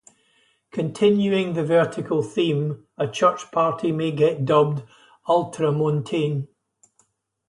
Continuing the vertical theme, a church party may get dubbed Ultramontane.